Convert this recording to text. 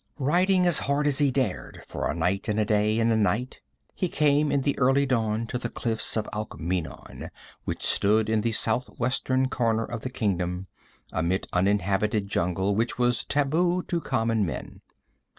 Riding as hard as he dared for a night and a day and a night, he came in the early dawn to the cliffs of Alkmeenon, which stood in the southwestern corner of the kingdom, amidst uninhabited jungle which was taboo to common men.